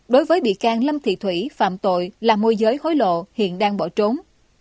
đối với bị can lâm thị thủy phạm tội là môi giới hối lộ hiện đang bỏ trốn